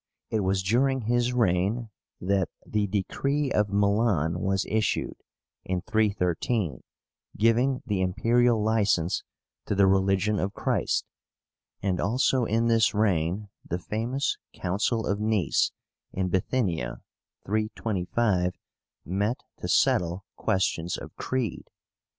It was during his reign that the DECREE OF MILAN was issued, in 313, giving the imperial license to the religion of Christ; and also in this reign the famous COUNCIL OF NICE, in Bithynia (325), met to settle questions of creed.